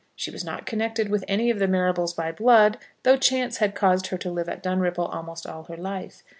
She was not connected with any of the Marrables by blood, though chance had caused her to live at Dunripple almost all her life.